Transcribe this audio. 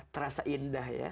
terasa indah ya